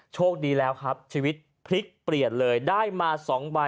โชคดีแล้วครับชีวิตพลิกเปลี่ยนเลยได้มา๒ใบ